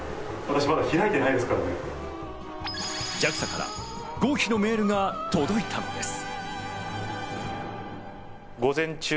ＪＡＸＡから合否のメールが届いたのです。